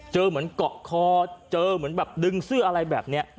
เหมือนเกาะคอเจอเหมือนแบบดึงเสื้ออะไรแบบนี้